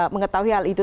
mengetahui hal itu